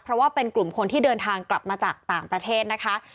เพราะว่าเป็นกลุ่มคนที่เดินทางกลับมาจากต่างประเทศนะคะ